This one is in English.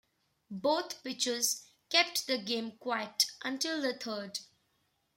Both pitchers kept the game quiet until the third.